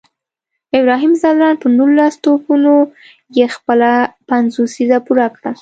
ابراهیم ځدراڼ په نولس توپونو یې خپله پنځوسیزه پوره کړه